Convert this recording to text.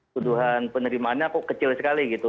tuduhan penerimaannya kok kecil sekali gitu